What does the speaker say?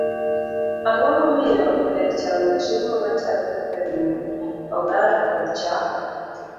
Ang'o momiyo ber chamo chiemo machalo kaka ring'o, oganda, kod chak?